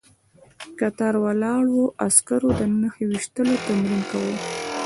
کتار ولاړو عسکرو د نښې ويشتلو تمرين کاوه.